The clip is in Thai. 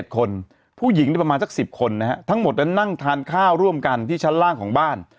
คนผู้หญิงประมาณสัก๑๐คนนะฮะทั้งหมดนั้นนั่งทานข้าวร่วมกันที่ชั้นล่างของบ้าน